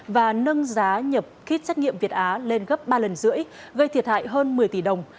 và nâng giá nhập khít xét nghiệm việt á lên gấp ba lần rưỡi gây thiệt hại hơn một mươi tỷ đồng